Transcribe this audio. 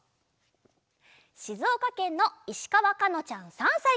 しずおかけんのいしかわかのちゃん３さいから。